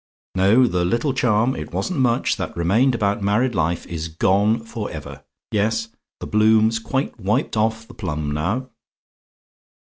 No: the little charm it wasn't much that remained about married life, is gone for ever. Yes; the bloom's quite wiped off the plum now.